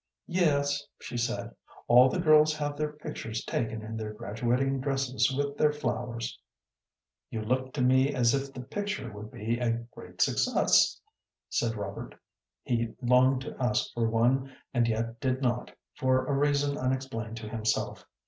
"Yes," she said. "All the girls have their pictures taken in their graduating dresses with their flowers." "You looked to me as if the picture would be a great success," said Robert. He longed to ask for one and yet did not, for a reason unexplained to himself.